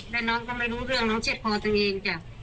แล้วน้องก็ไม่รู้เรื่องน้องเจ็บคอตัวเองจ้ะ